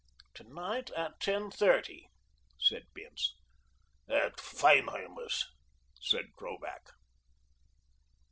"To night at ten thirty," said Bince. "At Feinheimer's," said Krovac.